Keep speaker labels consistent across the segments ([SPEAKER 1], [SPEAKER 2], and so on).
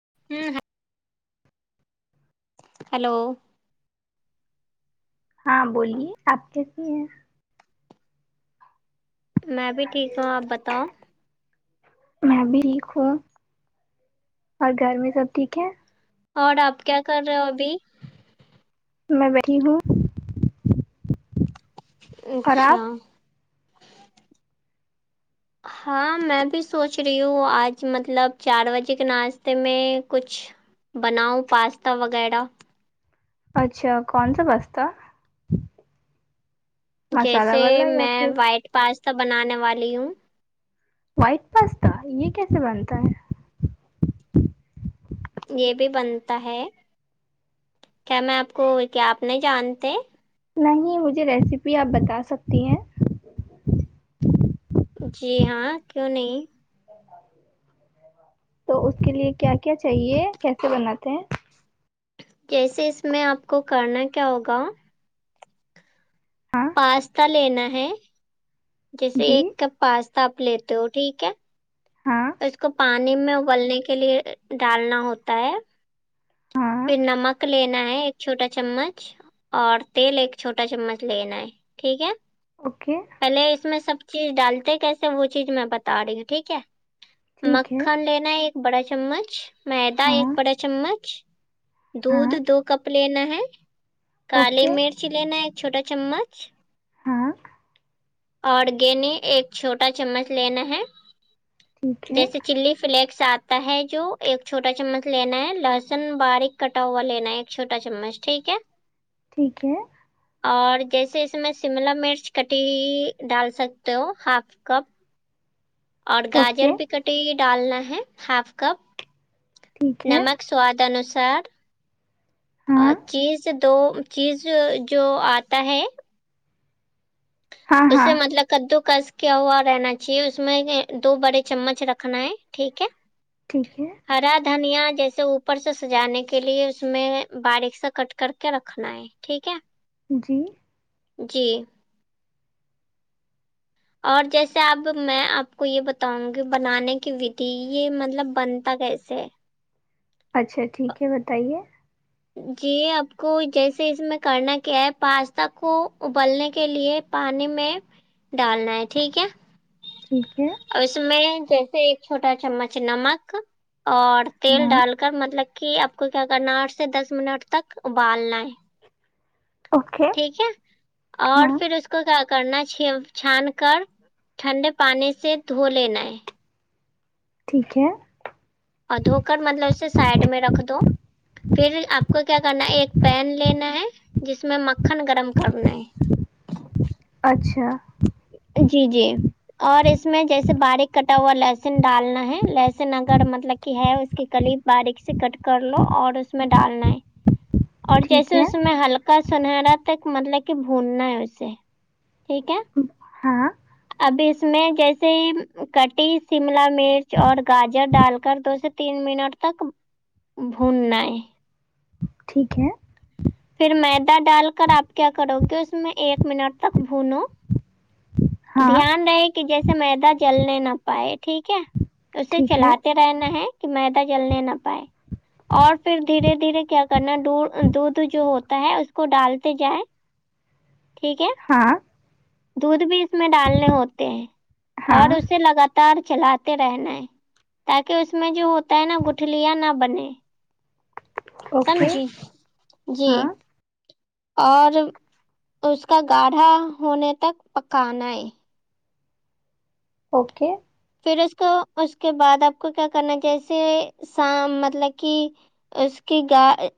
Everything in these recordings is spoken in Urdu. [SPEAKER 1] [unintelligible] ہیلو
[SPEAKER 2] ہاں بولیے آپ کیسی ہیں
[SPEAKER 1] میں بھی ٹھیک ہوں آپ بتاؤ
[SPEAKER 2] میں بھی ٹھیک ہوں اور گھر میں سب ٹھیک ہے
[SPEAKER 1] اور آپ کیا کر رہے ہو ابھی
[SPEAKER 2] میں بیی ہوں اور
[SPEAKER 1] اچھا
[SPEAKER 2] آپ
[SPEAKER 1] ہاں میں بھی سوچ رہی ہوں آج مطلب چار بجے کے ناشتے میں کچھ بناؤ پاستا وغیرہ
[SPEAKER 2] اچھا کون سا پاستا
[SPEAKER 1] جیسے
[SPEAKER 2] مسالہ والا یا
[SPEAKER 1] میں
[SPEAKER 2] پھر
[SPEAKER 1] وائٹ پاستا بنانے والی ہوں
[SPEAKER 2] وائٹ پاستا یہ کیسے بنتا ہے
[SPEAKER 1] یہ بھی بنتا ہے کیا میں آپ کو کیا آپ نہیں جانتے
[SPEAKER 2] نہیں مجھے ریسیپی آپ بتا سکتی ہیں
[SPEAKER 1] جی ہاں کیوں نہیں
[SPEAKER 2] تو اس کے لیے کیا کیا چاہیے کیسے بناتے ہیں
[SPEAKER 1] کیسے اس میں آپ کو کرنا کیا ہوگا
[SPEAKER 2] ہاں
[SPEAKER 1] پاستا لینا ہے جیسے
[SPEAKER 2] جی
[SPEAKER 1] ایک کپ پاستا آپ لیتے ہو ٹھیک ہے
[SPEAKER 2] ہاں
[SPEAKER 1] تو اس کو پانی میں ابلنے کے لیے ڈالنا ہوتا ہے
[SPEAKER 2] ہاں
[SPEAKER 1] پھر نمک لینا ہے ایک چھوٹا چمچ اور تیل ایک چھوٹا چمچ لینا ہے ٹھیک ہے
[SPEAKER 2] اوکے
[SPEAKER 1] پہلے اس میں سب چیز ڈالتے کیسے وہ چیز میں بتا رہی ہوں ٹھیک ہے
[SPEAKER 2] ٹھیک ہے
[SPEAKER 1] مکھن لینا ایک بڑا چمچ میدا ایک
[SPEAKER 2] ہاں
[SPEAKER 1] بڑا چمچ دودھ
[SPEAKER 2] ہاں
[SPEAKER 1] دو کپ لینا ہے کالی
[SPEAKER 2] اوکے
[SPEAKER 1] مرچ لینا ہے ایک چھوٹا چمچ
[SPEAKER 2] ہاں
[SPEAKER 1] اور گنے ایک چھوٹا چمچ لینا ہے
[SPEAKER 2] ٹھیک ہے
[SPEAKER 1] جیسے چلی فلیکس آتا ہے جو ایک چھوٹا چمچ لینا ہے لہسن باریک کٹا ہوا لینا ہے ایک چھوٹا چمچ ٹھیک ہے
[SPEAKER 2] ٹھیک ہے
[SPEAKER 1] اور جیسے اس میں شملا مرچ کٹی ڈال سکتے ہو ہاف کپ اور گاجر
[SPEAKER 2] اوکے
[SPEAKER 1] بھی کٹی ڈالنا ہے ہاف کپ
[SPEAKER 2] ٹھیک ہے
[SPEAKER 1] نمک سواد انوسار
[SPEAKER 2] ہاں
[SPEAKER 1] چیز دو چیز جو آتا ہے
[SPEAKER 2] ہاں
[SPEAKER 1] اس
[SPEAKER 2] ہاں
[SPEAKER 1] سے مطلب کدو کس کوا رہنا چاہیے اس میں دو بڑے چمچ رکھنا ہے ٹھیک ہے
[SPEAKER 2] ٹھیک ہے
[SPEAKER 1] ہرا دھنیا جیسے اوپر سے سجانے کے لیے اس میں باریک سے کٹ کر کے رکھنا ہے ٹھیک ہے
[SPEAKER 2] جی
[SPEAKER 1] یہ اور جیسے اب میں آپ کو یہ بتاؤں گی بنانے کی ودھی یہ مطلب بنتا کیسے ہے
[SPEAKER 2] اچھا ٹھیک ہے بتائیے
[SPEAKER 1] جی آپ کو جیسے اس میں کرنا کیا ہے پاستا کو ابالنے کے لیے پانی میں ڈالنا ہے ٹھیک ہے
[SPEAKER 2] ٹھیک ہے
[SPEAKER 1] اور اس میں جیسے ایک چھوٹا چمچ نمک اور تیل
[SPEAKER 2] ہاں
[SPEAKER 1] ڈال کر مطلب کہ آپ کو کیا کرنا آٹھ سے دس منٹ تک ابالنا ہے
[SPEAKER 2] اوکے
[SPEAKER 1] ٹھیک ہے اور
[SPEAKER 2] ہاں
[SPEAKER 1] پھر اس کو کیا کرنا چھا چھان کر ٹھنڈے پانی سے دھو لینا ہے
[SPEAKER 2] ٹھیک ہے
[SPEAKER 1] اور دھو کر مطلب اسے سائڈ میں رکھ دو پھر آپ کو کیا کرنا ہے ایک پین لینا ہے جس میں مکھن گرم کرنا ہے
[SPEAKER 2] اچھا
[SPEAKER 1] جی جی اور اس میں جیسے باریک کٹا ہوا لہ ڈالنا ہے لہسن اگر مطلب کہ ہے اس کی کلی باریک سے کٹ کر لو اور اس میں ڈالنا ہے اور
[SPEAKER 2] ٹھیک
[SPEAKER 1] جیسے
[SPEAKER 2] ہے
[SPEAKER 1] اس میں ہلکا سنہرا تک مطلب کہ بہوننا ہے اسے ٹھیک ہے
[SPEAKER 2] ہاں
[SPEAKER 1] اب اس میں جیسے ہی کٹی شملا مرچ اور گاجر ڈال کر دو سے تین منٹ تک بھوننا ہے
[SPEAKER 2] ٹھیک ہے
[SPEAKER 1] پھر میدا ڈال کر آپ کیا کرو گے اس میں ایک منٹ تک بھونو
[SPEAKER 2] ہاں
[SPEAKER 1] دھیان رہے کہ جیسے میدا جلنے نہ پائے ٹھیک ہے اسے
[SPEAKER 2] ٹھیک ہے
[SPEAKER 1] کھلاتے ہیں رہنا ہے کہ میدا جلنے نہ پائے اور پھر دھیرے دھیرے کیا کرنا دودھ جو ہوتا ہے اس کو ڈالتے جائ ٹھیک ہے
[SPEAKER 2] ہاں
[SPEAKER 1] دودھ بھی اس میں ڈالنے ہوتے ہیں اور
[SPEAKER 2] ہاں
[SPEAKER 1] اسے لگات تار چلاتے رہنا ہے تاکہ اس میں جو ہوتا ہے نا گٹھل یا نہ بنے
[SPEAKER 2] اوکے
[SPEAKER 1] سمجھی جی
[SPEAKER 2] ہاں
[SPEAKER 1] اور اس کا گاڑھا ہونے تک پکانا ہے
[SPEAKER 2] اوکے
[SPEAKER 1] پھر اس کو اس کے بعد آپ کو کیا کرنا جیسے سام مطلب کہ اس کی گائے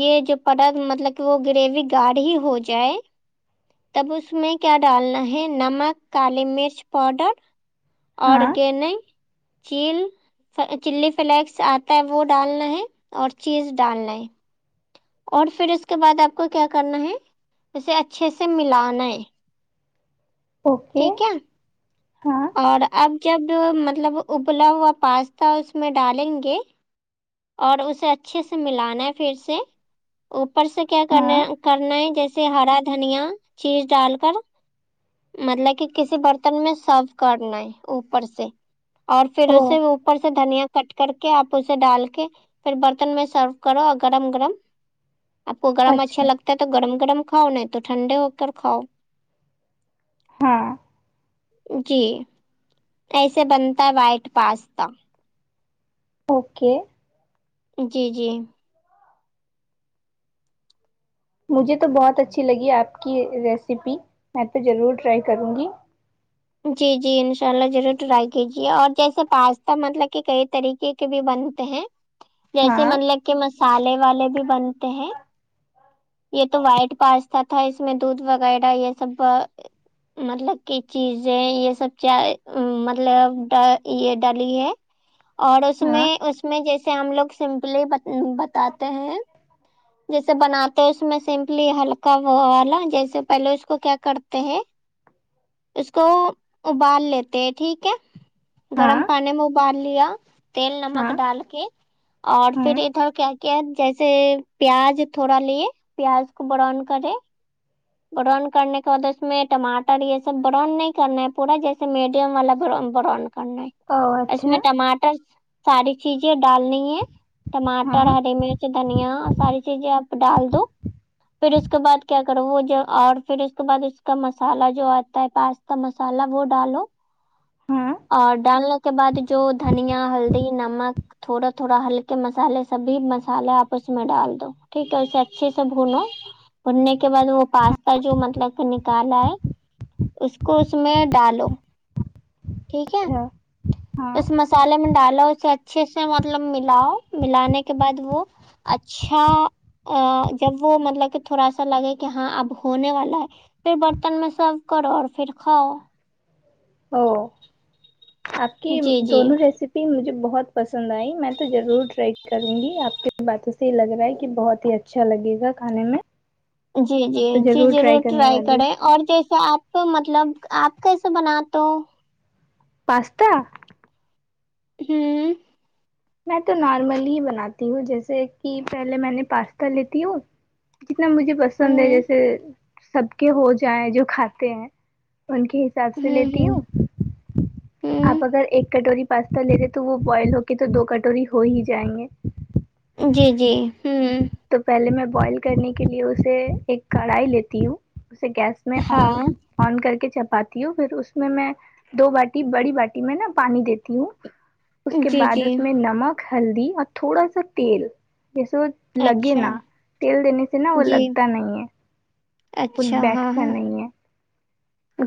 [SPEAKER 1] یہ جو پڑ مطلب کہ وہ گریوی گاڑ ہی ہو جائے تب اس میں کیا ڈالنا ہے نمک کالی مرچ پاؤڈر
[SPEAKER 2] ہاں
[SPEAKER 1] آرگینک چیل چلی فلیکس آتا ہے وہ ڈالنا ہے اور چیز ڈالنا ہے اور پھر اس کے بعد آپ کو کیا کرنا ہے اسے اچھے سے ملانا ہے
[SPEAKER 2] اوکے
[SPEAKER 1] ٹھیک ہے
[SPEAKER 2] ہاں
[SPEAKER 1] اور اب جب مطلب ابلا ہوا پاستا اس میں ڈالیں گے اور اسے اچھے سے ملانا ہے پھر سے اوپر سے کیا کرنا
[SPEAKER 2] ہاں
[SPEAKER 1] کرنا ہے جیسے ہرا دھنیا چیز ڈال کر مطلب کہ کسی برتن میں سرو کرنا ہے اوپر سے اور پھر
[SPEAKER 2] او
[SPEAKER 1] اسے اوپر سے دھنیا کٹ کر کے آپ اسے ڈال کے پھر برتن میں سرو کرو گرم گرم آپ کو گرم اچھا لگتا تو گرم گرم کھاؤ نہیں تو ٹھنڈے ہو کر کاؤ
[SPEAKER 2] ہاں
[SPEAKER 1] جی ایسے بنتا ہے وائٹ پاستا
[SPEAKER 2] اوکے
[SPEAKER 1] جی جی
[SPEAKER 2] مجھے تو بہت اچھی لگی آپ کی ریسیپی میں تو ضرور ٹرائی کروں گی
[SPEAKER 1] جی جی انشاء اللہ ضرور ٹرائی کیجیے اور جیسے پاستا مطلب کہ کئی طریقے بھی بنتے ہیں
[SPEAKER 2] ہاں
[SPEAKER 1] جیسے مطلب کہ مسالے والے بھی بنتے ہیں یہ تو وائٹ پاس تا تھا اس میں دودھ وغیرہ یہ سب مطلب کہ چیزیں یہ سب چا مطلب یہ ڈالی ہے اور اس میں
[SPEAKER 2] ہاں
[SPEAKER 1] اس میں جیسے ہم لوگ سمپلی بتاتے ہیں جیسے بناتے اس میں سمپلی ہلکا وہ والا جیسے پہلے اس کو کیا کرتے ہیں اس کو ابال لیتے ٹھیک ہے گرم
[SPEAKER 2] ہاں
[SPEAKER 1] پانی میں ابال لیا تیل نمک
[SPEAKER 2] ہاں
[SPEAKER 1] ڈال کے اور
[SPEAKER 2] ہاں
[SPEAKER 1] پھر ادھر کیا کیا جیسے پیاز تھوڑا لے پیاز کو براؤن کرے براؤن کرنے کے بعد اس میں ٹماٹر یہ سب براؤن نہیں کرنا ہے پورا جیسے میڈیم والا براؤن براؤن کرنا
[SPEAKER 2] او
[SPEAKER 1] ہے اس
[SPEAKER 2] اچھا
[SPEAKER 1] میں ٹماٹر ساری چیزیں ڈالنی ہے
[SPEAKER 2] ہاں
[SPEAKER 1] ٹماٹر ہری مرچ دھنیا ساری چیزیں آپ ڈال دو پھر اس کے بعد کیا کرو وہ جو اور پھر اس کے بعد اس کا مسالہ جو آتا ہے پاس تا مسالہ وہ ڈالو
[SPEAKER 2] ہاں
[SPEAKER 1] اور ڈالنے کے بعد جو دھنیا ہلدی نمک تھوڑا تھوڑا ہلکے مسالے سب مسالے آپ اس میں ڈال ٹھیک ہے اسے اچھے سے بھونو بھوننے کے بعد وہ پاستا جو مطلب کالا ہے اس کو اس میں ڈالو ٹھیک ہے
[SPEAKER 2] اچھا ہاں
[SPEAKER 1] تومس مسالے میں ڈالو اسے اچھے سے مطلب ملاؤ ملانے کے بعد وہ اچھا اچھا جب وہ مطلب کہ تھوڑا سا لگے کہ ہاں اب ہونے والا ہے پھر برتن میں سرو کرو اور پھر کھاؤ
[SPEAKER 2] او آپ کی
[SPEAKER 1] جی جی
[SPEAKER 2] دونوں ریسیپی مجھے بہت پسند آئی میں تو ضرور ٹرائی کروں گی آپ کی باتوں سے یہ لگ رہا ہے کہ بہت ہی اچھا اچھا لگے گا کھانے میں
[SPEAKER 1] جی جی
[SPEAKER 2] میں تو
[SPEAKER 1] جی ضرور
[SPEAKER 2] کرنے
[SPEAKER 1] ٹرائی
[SPEAKER 2] والی ہوں
[SPEAKER 1] کریں اور جیسے آپ تو مطلب آپ کیسے بناتے ہو
[SPEAKER 2] پاستا
[SPEAKER 1] ہوں
[SPEAKER 2] میں تو نارملی ہی بناتی ہوں جیسے کہ پہلے میں نے پاستا لیتی ہوں جتنا مجھے پسند ہے
[SPEAKER 1] ہوں
[SPEAKER 2] جیسے سب کے ہو جائیں جو کھاتے ہیں ان کے حساب سے لیتی ہوں آپ
[SPEAKER 1] ہوں
[SPEAKER 2] اگر ایک کٹوری پاستا لے رہے تو وہ بوائل ہو کے تو دو کٹوری ہو ہی جائیںگے
[SPEAKER 1] جی جی ھم
[SPEAKER 2] تو پہلے میں بوائل کرنے کے لیے اسے ایک کڑھائی لیتی ہوں اسے گیس میں آن
[SPEAKER 1] ہاں
[SPEAKER 2] آن کر کے چپاتی ہوں پھر اس میں دو باٹی بڑی باٹی میں نا پانی دیتی ہوں اس کے
[SPEAKER 1] جی
[SPEAKER 2] بعد
[SPEAKER 1] جی
[SPEAKER 2] اس میں نمک ہلدی اور تھوڑا سا تیل جیسے وہ لگے
[SPEAKER 1] اچھا
[SPEAKER 2] نا تیل دینے سے نا وہ
[SPEAKER 1] جی
[SPEAKER 2] لگتا نہیں ہے وہ
[SPEAKER 1] اچھا ہاں
[SPEAKER 2] بیٹھت
[SPEAKER 1] ہاں
[SPEAKER 2] نہیں ہے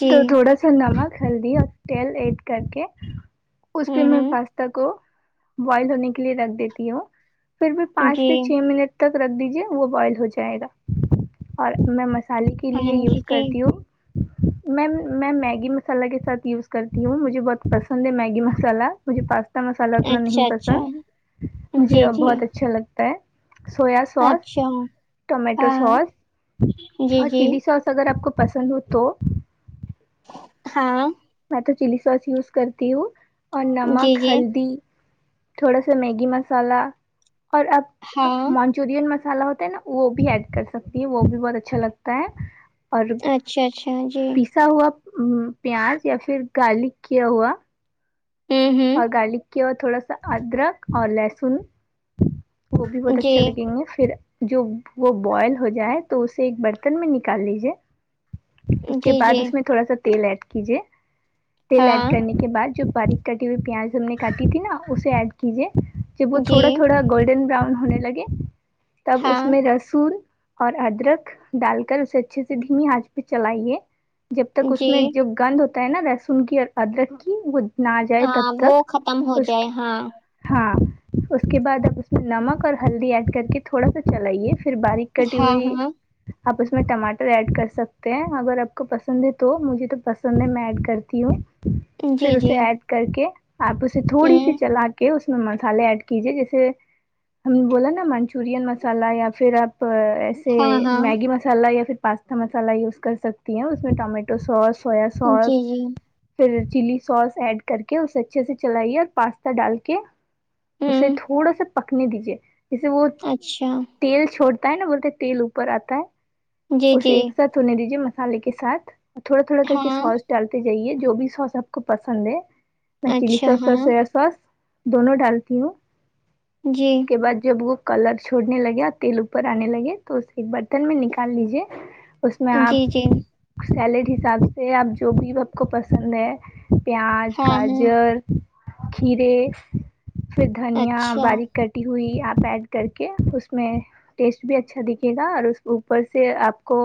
[SPEAKER 1] جی
[SPEAKER 2] تو تھوڑا سا نمک ہلدی اور تیل ایڈ کر کے اس پہ
[SPEAKER 1] ہوں
[SPEAKER 2] میں
[SPEAKER 1] ہوں
[SPEAKER 2] پاستا کو بوائل ہونے کے لیے رکھ دیتی ہوں پھر بھی پانچ
[SPEAKER 1] جی
[SPEAKER 2] سے چھ منٹ تک رکھ دیجیے وہ بوائل ہو جائے گا اور میں مسالے کے
[SPEAKER 1] ہاں
[SPEAKER 2] لیے یوز
[SPEAKER 1] جی جی
[SPEAKER 2] کرتی ہوں میم میں میگی مسالہ کے ساتھ یوز کرتی ہوں مجھے بہت پسند ہے میگی مسالہ مجھے پاستا مسالہ اتنا
[SPEAKER 1] اچھا
[SPEAKER 2] نہیں
[SPEAKER 1] اچھا
[SPEAKER 2] پسند
[SPEAKER 1] جی
[SPEAKER 2] مجھے
[SPEAKER 1] جی
[SPEAKER 2] بہت اچھا لگتا ہے سویا سوس
[SPEAKER 1] اچھا
[SPEAKER 2] ٹمیٹو
[SPEAKER 1] ہاں
[SPEAKER 2] سوس
[SPEAKER 1] جی
[SPEAKER 2] اور
[SPEAKER 1] جی
[SPEAKER 2] چلی سوس اگر آپ کو پسند ہو تو
[SPEAKER 1] ہاں
[SPEAKER 2] میں تو چلی سوس یوز کرتی ہوں اور
[SPEAKER 1] جی
[SPEAKER 2] نمک
[SPEAKER 1] جی
[SPEAKER 2] ہلدی تھوڑا سا میگی مسالہ اور اب
[SPEAKER 1] ہاں
[SPEAKER 2] مون چورین مسالا ہوتا ہے نا وہ بھی ایڈ کر سکتی ہیں وہ بھی بہت اچھا لگتا ہے اور
[SPEAKER 1] اچھا اچھا جی
[SPEAKER 2] پیسا ہوا پیاز یا پھر گارلک کیا ہوا
[SPEAKER 1] ہوں
[SPEAKER 2] اور
[SPEAKER 1] ہوں
[SPEAKER 2] گارلک کی ہوا تھوڑا سا ادرک اور لہسن وہ بھی بہت
[SPEAKER 1] جی
[SPEAKER 2] اچھا لگیںگے پھر جو وہ بوائل ہو جائے تو اسے ایک برتن میں نکال لیجیے اس کے
[SPEAKER 1] جی جی
[SPEAKER 2] بعد اس میں تھوڑا سا تیل ایڈ کیجے تیل ایڈ
[SPEAKER 1] ہاں
[SPEAKER 2] کرنے کے بعد جو باریک کٹی ہوئی پیاز ہم نے کاٹی تھی نا اسے ایڈ کیجیے جب وہ تھوڑا
[SPEAKER 1] جی
[SPEAKER 2] تھوڑا گولڈن براؤن ہونے لگے تب اس
[SPEAKER 1] ہاں
[SPEAKER 2] میں لہسن اور ادرک ڈال کر اسے اچھے سے دھیمی آنچ پہ چلائیے جب تک اس
[SPEAKER 1] جی
[SPEAKER 2] میں جو گند ہوتا ہے نا لہسن کی اور ادرک کی وہ لال
[SPEAKER 1] ہاں وہ ختم ہو جائے ہاں
[SPEAKER 2] ہاں اس کے بعد اب اس میں نمک اور ہلدی ایڈ کر کے تھوڑا سا چلائیے پھر باریک کٹی
[SPEAKER 1] ہاں
[SPEAKER 2] ہوئی
[SPEAKER 1] ہاں
[SPEAKER 2] آپ اس میں ٹماٹر ایڈ کر سکتے ہیں اگر آپ کو پسند ہے تو مجھے تو پسند ہے میں ایڈ کرتی ہوں پھر
[SPEAKER 1] جی جی
[SPEAKER 2] اسے ایڈ کر کے آپ اسے تھوڑی سی
[SPEAKER 1] ہوں
[SPEAKER 2] چلا کے اس میں مسالے ایڈ کیجے جیسے ہم بولا نا منچورین مسالہ یا پھر آپ سے
[SPEAKER 1] ہاں ہاں
[SPEAKER 2] میگی مسالح یا پھر پاستا مسالاہ یوز کر سکتی ہیں اس میں ٹمیٹو سوس سویا سوس
[SPEAKER 1] جی جی
[SPEAKER 2] پھر چلی سوس ایڈ کر کے اسے اچھے سے چلائیے اور پاستا ڈال کے اسے
[SPEAKER 1] ہوں
[SPEAKER 2] تھوڑا سا پکنے دیجیے جسے وہ
[SPEAKER 1] اچھا
[SPEAKER 2] تیل چھوڑتا ہے نا بولتے تیل اوپر آتا ہے
[SPEAKER 1] جی
[SPEAKER 2] اسے
[SPEAKER 1] جی
[SPEAKER 2] ایک ساتھ ہونے دیجیے مسالے کے ساتھ تھوڑا تھوڑا کر کے
[SPEAKER 1] ہاں
[SPEAKER 2] سوس ڈالتے جائیے جو بھی سوس آپ کو پسند ہے میں چلی
[SPEAKER 1] اچھا
[SPEAKER 2] سوس اور
[SPEAKER 1] ہاں
[SPEAKER 2] سویا سوس دونوں ڈالتی ہوں
[SPEAKER 1] جی
[SPEAKER 2] اس کے بعد جب وہ کلر چھوڑنے لگے اور تیل اوپر آنے لگے تو اس ایک برتن میں نکال لیجیے اس میں
[SPEAKER 1] جی
[SPEAKER 2] آپ
[SPEAKER 1] جی
[SPEAKER 2] سیلیڈ حساب سے آپ جو بھی آپ کو پسند ہے پیاز
[SPEAKER 1] ہاں ہاں
[SPEAKER 2] گاجر کھیرے پھر دھنیا
[SPEAKER 1] اچھا
[SPEAKER 2] باریک کٹی ہوئی آپ ایڈ کر کے اس میں ٹیسٹ بھی اچھا دیکھیگا اور اس اوپر سے آپ کو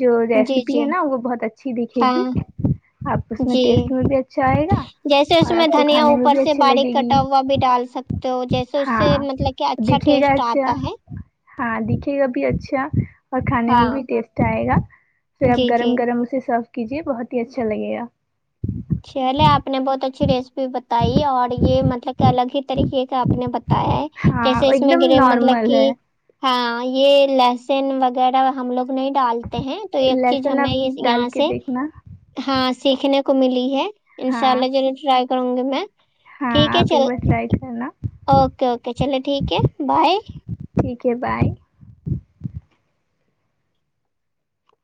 [SPEAKER 2] جو
[SPEAKER 1] جی
[SPEAKER 2] ریسیپی
[SPEAKER 1] جی
[SPEAKER 2] ہے نا وہ بہت اچھی دکھے گی
[SPEAKER 1] ہاں
[SPEAKER 2] اب اس میں
[SPEAKER 1] جی
[SPEAKER 2] ٹیسٹ میں بھی اچھا آئے گا
[SPEAKER 1] جیسے اس
[SPEAKER 2] اور
[SPEAKER 1] میں
[SPEAKER 2] آپ کو
[SPEAKER 1] دھنیا
[SPEAKER 2] کھانے میں
[SPEAKER 1] اوپر
[SPEAKER 2] بھی
[SPEAKER 1] سے
[SPEAKER 2] اچھی
[SPEAKER 1] باریک
[SPEAKER 2] لگے گی
[SPEAKER 1] کٹا ہوا بھی ڈال سکتے ہو جیسے اس
[SPEAKER 2] ہاں
[SPEAKER 1] سے مطلب کہ اچھا
[SPEAKER 2] دکھے گا
[SPEAKER 1] ٹیسٹ
[SPEAKER 2] اچھا
[SPEAKER 1] آتا ہے
[SPEAKER 2] ہاں دکھے گا بھی اچھا اور کھانے میں
[SPEAKER 1] ہاں
[SPEAKER 2] بھی ٹیسٹ آئے گا پھر آپ
[SPEAKER 1] جی جی
[SPEAKER 2] گرم گرم اسے سرو کیجیے بہت ہی اچھا لگے گا
[SPEAKER 1] چلے آپ نے بہت اچھی ریسیپی بتائی اور یہ مطلب کہ الگ ہی طریقے کا آپ نے بتایا ہے
[SPEAKER 2] ہاں
[SPEAKER 1] جیسے اس
[SPEAKER 2] ایک
[SPEAKER 1] میں
[SPEAKER 2] دم
[SPEAKER 1] گرے مطلب
[SPEAKER 2] نارمل
[SPEAKER 1] کہ
[SPEAKER 2] ہے
[SPEAKER 1] ہاں یہ لہسن وغیرہ ہم لوگ نہیں ڈالتے ہیں تو ایک چیز
[SPEAKER 2] لہسن
[SPEAKER 1] ہمیں
[SPEAKER 2] آپ
[SPEAKER 1] یہ
[SPEAKER 2] ڈال
[SPEAKER 1] یہاں
[SPEAKER 2] کے
[SPEAKER 1] سے
[SPEAKER 2] دیکھنا
[SPEAKER 1] ہاں سیکھنے کو ملی انشاء
[SPEAKER 2] ہاں
[SPEAKER 1] اللہ ضور ٹرائی کروں گی میں
[SPEAKER 2] ہاں
[SPEAKER 1] ٹھیک ہے
[SPEAKER 2] آپ ایک
[SPEAKER 1] چل
[SPEAKER 2] بار ٹرائی کرنا
[SPEAKER 1] اوکے اوکے چلے ٹھیک ہے بائے
[SPEAKER 2] ٹھیک ہے بائے